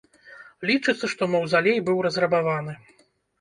Лічыцца, што маўзалей быў разрабаваны.